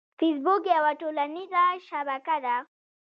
فېسبوک یوه ټولنیزه شبکه ده